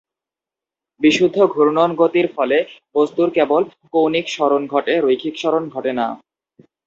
বিশুদ্ধ ঘূর্ণন গতির ফলে বস্তুর কেবল কৌণিক সরণ ঘটে, রৈখিক সরণ ঘটে না।